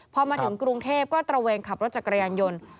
พอมาถึงกรุงเทพก็ตระเวนขับรถจักรยานยนต์